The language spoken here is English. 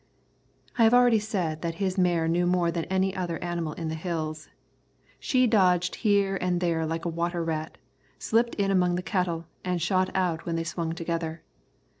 I have already said that his mare knew more than any other animal in the Hills. She dodged here and there like a water rat, slipped in among the cattle and shot out when they swung together.